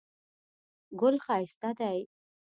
ګل ښایسته دی